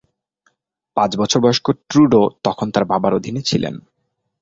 পাঁচ বছর বয়স্ক ট্রুডো তখন তার বাবার অধীনে ছিলেন।